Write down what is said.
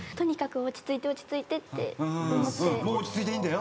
もう落ち着いていいんだよ。